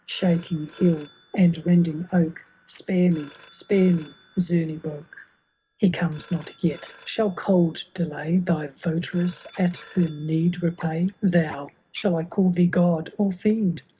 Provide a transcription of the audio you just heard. Shaking hill and rending oak — Spare me ! spare me ! Zemebock. ^ He comes not yet ! Shall cold delay Thy votaress at her need repay ? Thou — shall I call thee god or fiend